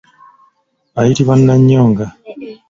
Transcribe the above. Ayitibwa Nnannyonga.